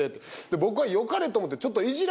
僕はよかれと思ってちょっと。